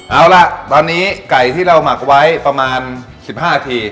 เอาล่ะตอนนี้ไก่ที่เราหมักไว้ประมาณ๑๕นาที